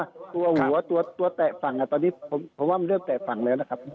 ตัวหัวตัวแตะฝั่งตอนนี้ผมว่ามันเริ่มแตะฝั่งแล้วนะครับ